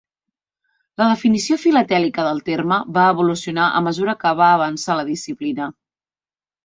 La definició filatèlica del terme va evolucionar a mesura que va avançar la disciplina.